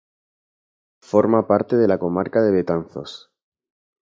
Forma parte de la comarca de Betanzos.